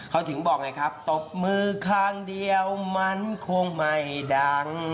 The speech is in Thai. เขาถึงบอกไงครับตบมือข้างเดียวมันคงไม่ดัง